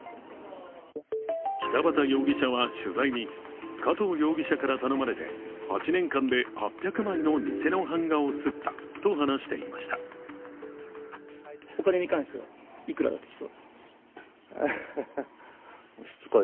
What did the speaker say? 北畑容疑者は取材に、加藤容疑者から頼まれて８年間で８００枚の偽の版画を刷ったと話していました。